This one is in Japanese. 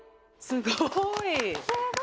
すごい！